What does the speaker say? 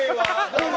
どうも。